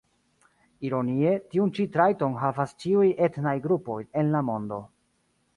Ironie, tiun ĉi trajton havas ĉiuj etnaj grupoj en la mondo.